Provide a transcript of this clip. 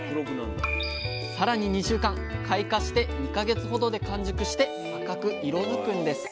さらに２週間開花して２か月ほどで完熟して赤く色づくんです。